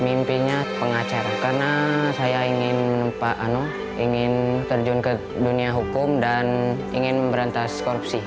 mimpinya pengacara karena saya ingin terjun ke dunia hukum dan ingin memberantas korupsi